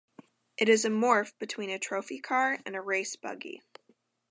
It is a morph between a "Trophy car" and a "Race Buggy".